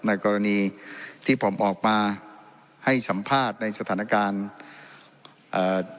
ในกรณีที่ผมออกมาให้สัมภาษณ์ในสถานการณ์เอ่อ